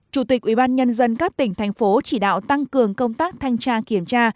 chủ tịch ubnd các tỉnh thành phố chỉ đạo tăng cường công tác thanh tra kiểm tra